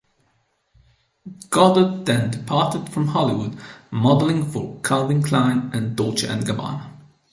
Goddard then departed for Hollywood, modelling for Calvin Klein and Dolce and Gabbana.